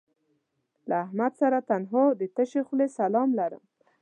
له احمد سره تنها د تشې خولې سلام لرم